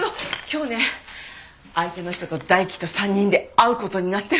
今日ね相手の人と大樹と３人で会う事になってる。